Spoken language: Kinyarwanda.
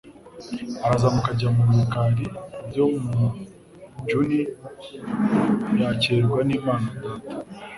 Arazamuka ajya mu bikari byo mu juni yakirwa n'Imana Data